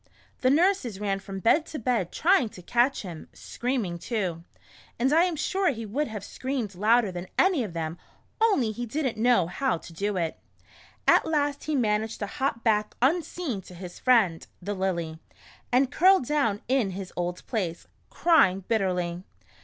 The nurses ran from bed to bed tr}ang to catch him, scream ing too, and I am sure he would have screamed louder than any of them only he did n't know how to do it. At last he managed to hop back unseen to his friend, the Lily, and curled down in his old place, crying bitterly.